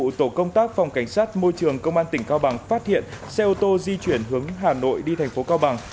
tổ công tác phòng cảnh sát môi trường công an tỉnh cao bằng phát hiện xe ô tô di chuyển hướng hà nội đi thành phố cao bằng